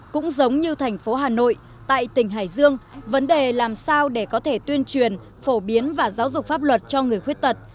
cũng giống như thành phố hà nội tại tỉnh hải dương vấn đề làm sao để có thể tuyên truyền phổ biến và giáo dục pháp luật cho người khuyết tật